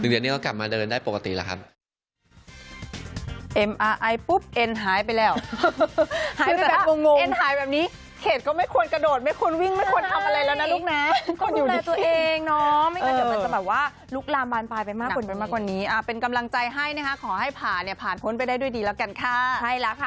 เดือนนี้ก็กลับมาเดินได้ปกติแล้วครับ